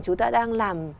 chúng ta đang làm